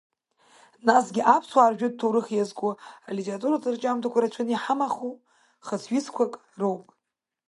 Насгьы аԥсуаа ржәытә ҭоурых иазку алитературатә рҿиамҭақәа рацәаны иауҳамаху, хыцҩыцқәак роуп.